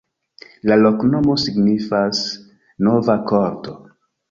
La loknomo signifas: nova-korto.